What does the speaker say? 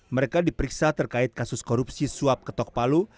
mereka diperiksa terkait kasus korupsi suap ketok palu